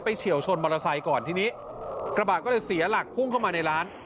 เฉียวชนมอเตอร์ไซค์ก่อนทีนี้กระบะก็เลยเสียหลักพุ่งเข้ามาในร้าน